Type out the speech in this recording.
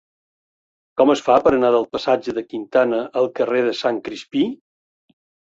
Com es fa per anar del passatge de Quintana al carrer de Sant Crispí?